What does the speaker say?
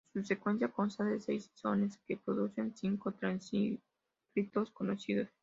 Su secuencia consta de siete exones, que producen cinco transcritos conocidos.